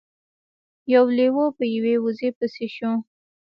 یو لیوه په یوې وزې پسې شو.